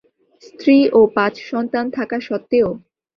স্ত্রী ও পাঁচ সন্তান থাকা সত্ত্বেও?